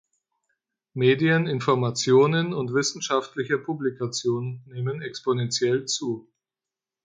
Medien, Informationen und wissenschaftliche Publikationen nehmen exponentiell zu.